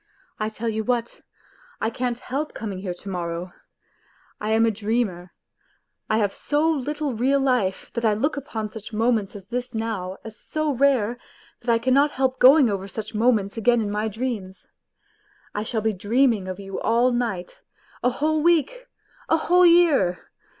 ... I tell you what, I can't help coming here to morrow, I am a dreamer ; I have so little real life that I look upon such moments as this now, _as_sp_raTe^that_I_cannot help going oveFsuch m6Tn^rrt5"again L m L niy__dreams. I shaJTl^e dream ing of you all night7 a~whole week, a~whole year.